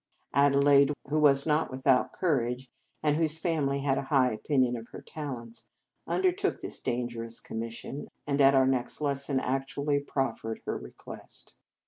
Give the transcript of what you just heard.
Ade laide, who was not without courage, and whose family had a high opinion of her talents, undertook this danger ous commission, and at our next les son actually proffered her request.